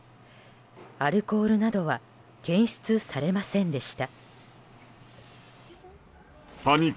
アルコールなどは検出されませんでした。